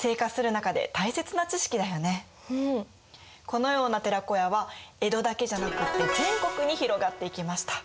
このような寺子屋は江戸だけじゃなくて全国に広がっていきました。